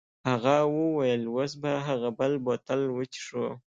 هغه وویل اوس به هغه بل بوتل وڅښو.